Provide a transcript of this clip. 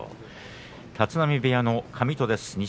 立浪部屋の上戸です。